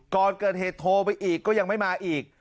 ก่อนเกิดเหตุโทรไปอีกก็ยังไม่มาอีก